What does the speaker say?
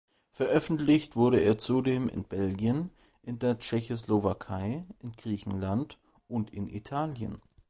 Veröffentlicht wurde er zudem in Belgien, in der Tschechoslowakei, in Griechenland und in Italien.